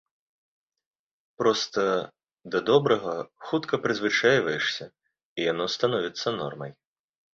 Проста, да добрага хутка прызвычайваешся і яно становіцца нормай.